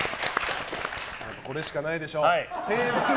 これしかないでしょ！